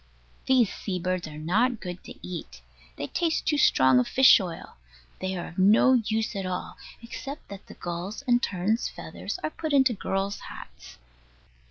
These sea birds are not good to eat. They taste too strong of fish oil. They are of no use at all, except that the gulls' and terns' feathers are put into girls' hats.